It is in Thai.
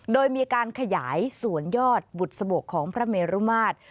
โดยมีการขยายส่วนยอดบุตรสะบกของพระเมรุมาตร